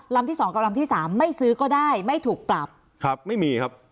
ที่สองกับลำที่สามไม่ซื้อก็ได้ไม่ถูกปรับครับไม่มีครับ